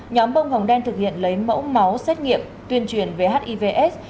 nhóm bông hồng đen thực hiện lấy mẫu máu xét nghiệm tuyên truyền về hivs